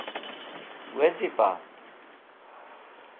Weziba?